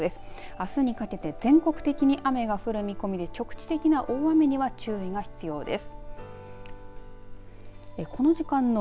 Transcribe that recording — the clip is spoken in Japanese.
あすにかけて全国的に雨が降る見込みで局地的な大雨には注意が必要です。